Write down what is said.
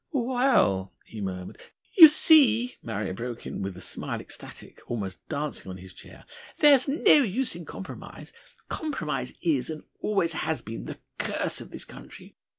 "Well " he murmured. "You see," Marrier broke in, with the smile ecstatic, almost dancing on his chair. "There's no use in compromise. Compromise is and always has been the curse of this country.